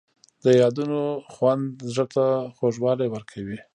د یادونو خوند زړه ته خوږوالی ورکوي.